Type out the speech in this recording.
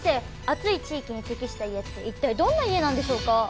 暑い地域に適した家っていったいどんな家なんでしょうか？